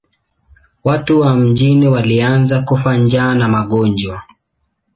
Watu wa mjini walianza kufa njaa na magonjwa.